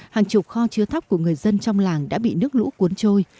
hàng chục kho chứa thắp của người dân trong làng đã bị nước lũ cuốn trôi